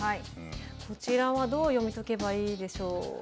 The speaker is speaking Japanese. こちらはどう読み解けばいいでしょうか。